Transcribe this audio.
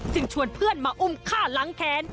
ซึ่งชวนเพื่อนมาอุ้มฆ่าหลังแค้น